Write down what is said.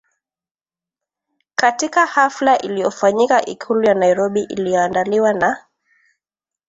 katika hafla iliyofanyika Ikulu ya Nairobi iliyoandaliwa na